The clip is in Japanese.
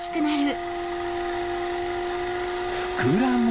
ふくらむ！